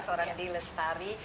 seorang di lestari